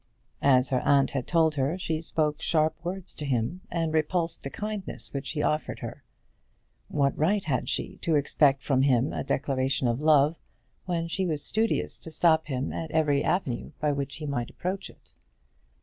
As her aunt had told her, she spoke sharp words to him, and repulsed the kindness which he offered her. What right had she to expect from him a declaration of love when she was studious to stop him at every avenue by which he might approach it?